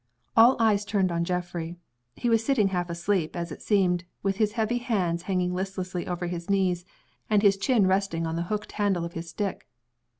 All eyes turned on Geoffrey. He was sitting half asleep, as it seemed with his heavy hands hanging listlessly over his knees, and his chin resting on the hooked handle of his stick.